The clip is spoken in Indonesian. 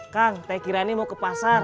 kang teh kirani mau ke pasar